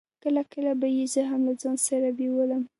کله کله به يې زه هم له ځان سره بېولم.